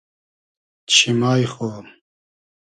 چیمای خو